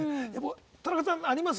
田中さんあります？